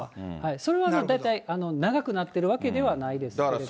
それはもう大体、長くなってるわけではないですけれども。